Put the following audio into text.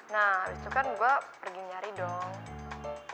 nah itu kan gue pergi nyari dong